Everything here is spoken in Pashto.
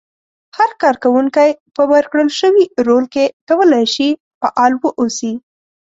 هر کار کوونکی په ورکړل شوي رول کې کولای شي فعال واوسي.